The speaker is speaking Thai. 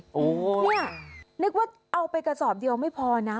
นี่นึกว่าเอาไปกระสอบเดียวไม่พอนะ